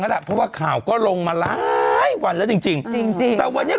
เพราะว่าข่าวก็ลงมาไหลวันแล้วจริงจริงจริงจริงแต่วันนี้